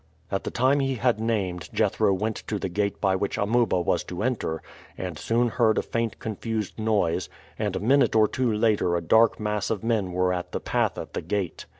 At the time he had named Jethro went to the gate by which Amuba was to enter, and soon heard a faint confused noise, and a minute or two later a dark mass of men were at the path at the gate.